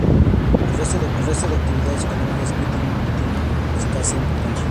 El resto de actividades económicas en el municipio tienen escasa importancia.